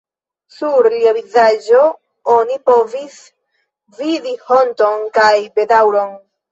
Sur lia vizaĝo oni povis vidi honton kaj bedaŭron.